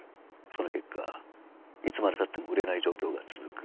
その結果いつまでたっても売れない状況が続く。